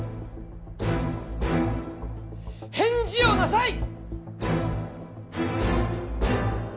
返事をなさい！